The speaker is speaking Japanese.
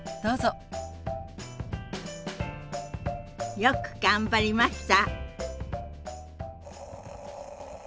よく頑張りました！